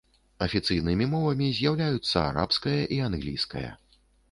Афіцыйнымі мовамі з'яўляюцца арабская і англійская.